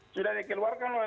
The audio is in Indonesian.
sudah dikeluarkan oleh